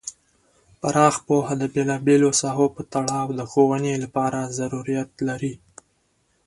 پراخ پوهه د بیلا بیلو ساحو په تړاو د ښوونې لپاره ضروریت لري.